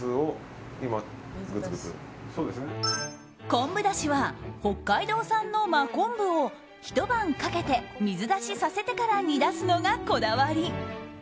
昆布だしは北海道産の真昆布をひと晩かけて水出しさせてから煮出すのがこだわり。